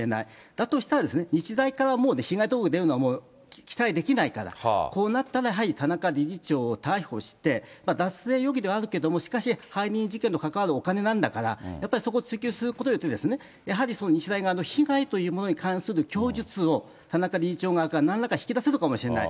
だとしたら、日大から被害届出るのはもう期待できないから、こうなったら、やはり田中理事長を逮捕して、脱税容疑ではあるけれども、しかし、背任事件に関わるお金なんだから、やっぱりそこを追及することによって、やはり日大側の被害というものに関する供述を、田中理事長側から、なんらか引き出せるかもしれない。